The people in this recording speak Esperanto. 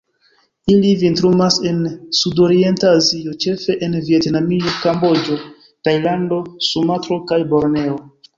Ili vintrumas en Sudorienta Azio, ĉefe en Vjetnamio, Kamboĝo, Tajlando, Sumatro kaj Borneo.